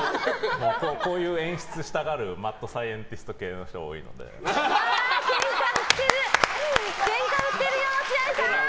こういう演出したがるマッドサイエンティスト系の人があー、計算してるよ落合さん！